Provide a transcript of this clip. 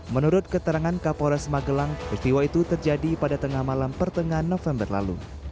menurut keterangan kapolres magelang peristiwa itu terjadi pada tengah malam pertengahan november lalu